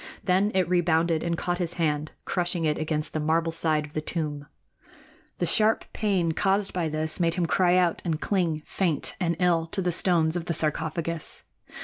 Then it rebounded and caught his hand, crushing it against the marble side of the tomb. The sharp pain caused by this made him cry out and cling, faint and ill, to the stones of the sarcophagus.